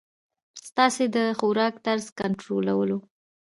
ستاسي د خوراک طرز کنټرولوی.